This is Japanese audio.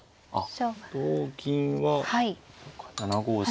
あっ同銀は７五飛車で。